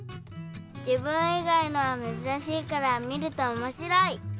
自分いがいのはめずらしいから見るとおもしろい。